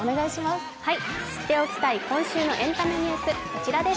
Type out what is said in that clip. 知っておきたい今週のエンタメニュース、こちらです。